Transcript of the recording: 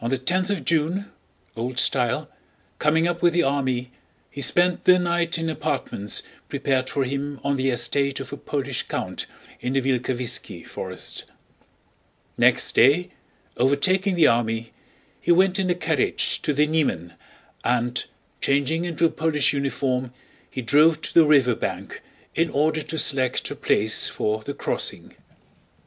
On the tenth of June, * coming up with the army, he spent the night in apartments prepared for him on the estate of a Polish count in the Vilkavisski forest. * Old style. Next day, overtaking the army, he went in a carriage to the Niemen, and, changing into a Polish uniform, he drove to the riverbank in order to select a place for the crossing.